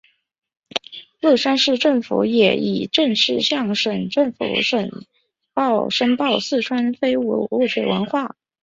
乐山市政府也已正式向省政府申报四川省非物质文化遗产。